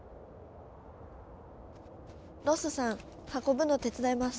ロッソさん運ぶの手伝います。